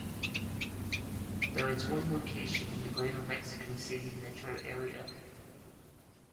There is one location in the Greater Mexico City metro area.